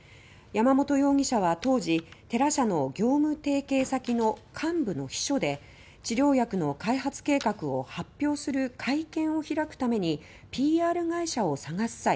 山本容疑者は当時テラ社の業務提携先の幹部の秘書で治療薬の開発計画を発表する会見を開くためにＰＲ会社を探す